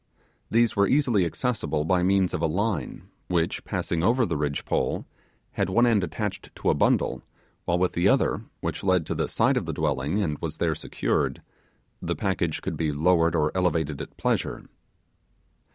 These were easily accessible by means of a line, which, passing over the ridge pole, had one end attached to a bundle, while with the other, which led to the side of the dwelling and was there secured, the package could be lowered or elevated at pleasure.